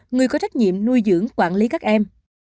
có quan niệm nuôi dưỡng quản lý các em